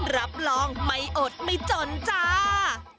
รับรองไม่อดไม่จนจ้า